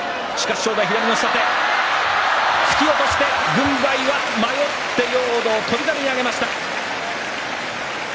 軍配は迷って容堂翔猿に上げました。